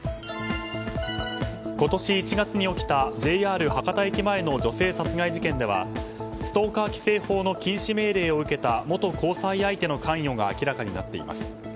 今年１月に起きたＪＲ博多駅前の女性殺害事件ではストーカー規制法の禁止命令を受けた元交際相手の関与が明らかになっています。